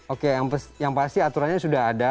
oke yang pasti aturannya sudah ada